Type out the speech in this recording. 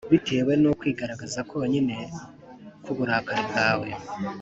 bitewe n’ukwigaragaza konyine k’uburakari bwawe.